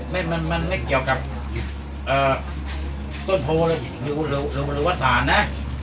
มันไม่เกี่ยวกับต้นโพอะไรอยู่หรือว่าศาลนะ